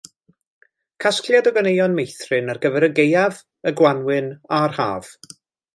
Casgliad o ganeuon meithrin ar gyfer y gaeaf, y gwanwyn a'r haf.